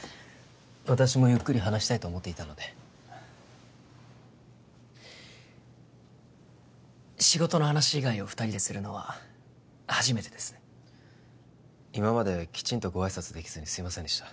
私もゆっくり話したいと思っていたので仕事の話以外を二人でするのは初めてですね今まできちんとご挨拶できずにすいませんでした